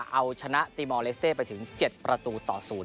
เอาชนะตีมอลเลสเต้ไปถึงเจ็ดประตูต่อศูนย์